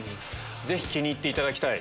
ぜひ気に入っていただきたい。